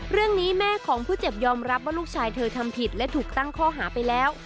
เรื่องนี้แม่ของผู้เจ็บยอมรับว่าลูกชายเธอทำผิดและถูกตั้งข้อหาไปแล้ว